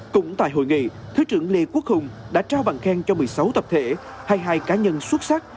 cũng tại hội nghị thứ trưởng lê quốc hùng đã trao bằng khen cho một mươi sáu tập thể hai mươi hai cá nhân xuất sắc